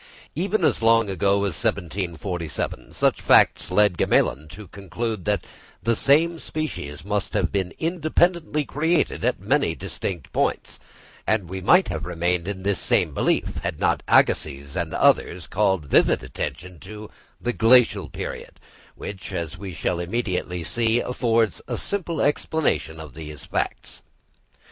Even as long ago as 1747, such facts led Gmelin to conclude that the same species must have been independently created at many distinct points; and we might have remained in this same belief, had not Agassiz and others called vivid attention to the Glacial period, which, as we shall immediately see, affords a simple explanation of these facts.